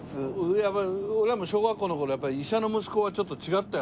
俺らも小学校の頃やっぱり医者の息子はちょっと違ってたよ